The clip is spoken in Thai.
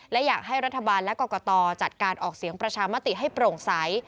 และอยากให้รัฐบาลและกรกตจัดการออกเสียงประชามติให้โปร่งใส